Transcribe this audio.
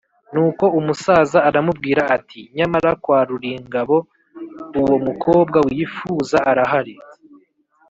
nuko umusaza aramubwira ati: “nyamara kwa ruringabo uwo mukobwa wifuza arahari